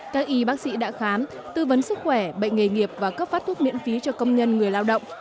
các y bác sĩ đã khám tư vấn sức khỏe bệnh nghề nghiệp và cấp phát thuốc miễn phí cho công nhân người lao động